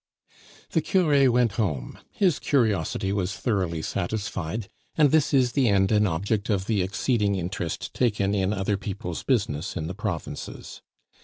The cure went home; his curiosity was thoroughly satisfied, and this is the end and object of the exceeding interest taken in other people's business in the provinces.